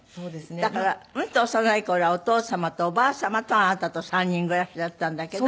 うんと幼い頃はお父様とおばあ様とあなたと３人暮らしだったんだけど。